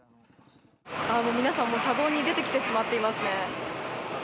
皆さん、車道に出てきてしまっていますね。